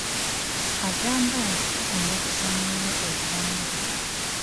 Agamba nti kigenda kusaanyaawo obuwangwa.